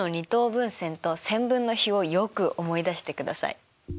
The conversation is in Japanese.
分線と線分の比をよく思い出してください。